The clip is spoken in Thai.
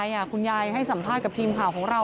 พอลูกเขยกลับเข้าบ้านไปพร้อมกับหลานได้ยินเสียงปืนเลยนะคะ